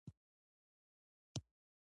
هر آواز باید په خپله نښه یا توري ولیکل شي